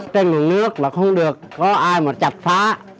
trên mực nước là không được có ai mà chặt phá